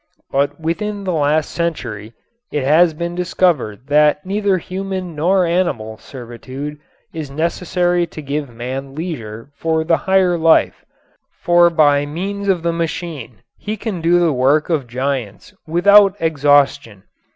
But within the last century it has been discovered that neither human nor animal servitude is necessary to give man leisure for the higher life, for by means of the machine he can do the work of giants without exhaustion.